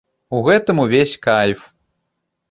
У гэтым увесь кайф!